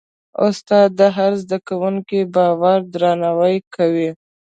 استاد د هر زده کوونکي باور درناوی کوي.